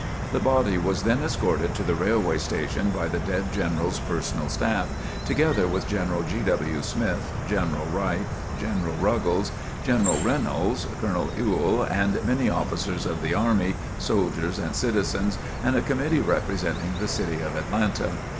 The body was then escorted to the railway station by the dead General's personal staff, together with General G. W. Smith, General Wright, General Ruggles, General Reynolds, Colonel Ewell and many officers of the army, soldiers and citizens, and a committee representing the city of Atlanta.